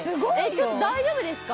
ちょっと大丈夫ですか？